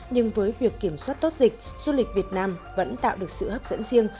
nhưng với việc kiểm soát tốt dịch du lịch việt nam vẫn tạo được sự hấp dẫn riêng